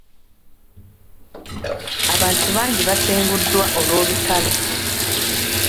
Abantu bangi basenguddwa olw'olutalo .